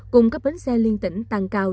cùng các bến xe liên tỉnh tăng cao